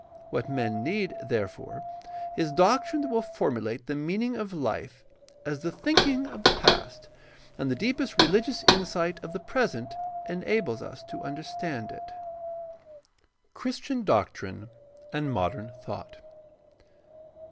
What men need, therefore, is doctrine that will formulate the meaning of Hfe as the thinking of the past and the deepest rehgious insight of the present enable us to understand it. Christian doctrine and modern thought.